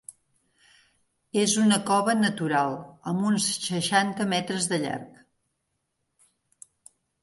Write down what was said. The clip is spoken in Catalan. És una cova natural amb uns seixanta metres de llarg.